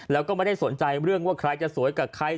แล้วก็ไม่ได้สนใจเรื่องว่าใครจะสวยกับใคร